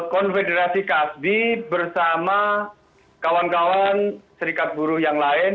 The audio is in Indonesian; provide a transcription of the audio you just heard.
konfederasi kasbi bersama kawan kawan serikat buruh yang lain